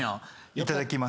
いただきます。